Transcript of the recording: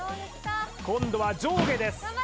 今度は上下です